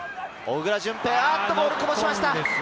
ボールをこぼしました。